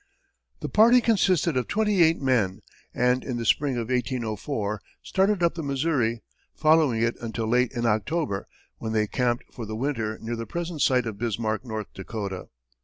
The party consisted of twenty eight men, and in the spring of 1804, started up the Missouri, following it until late in October, when they camped for the winter near the present site of Bismarck, North. Dakota.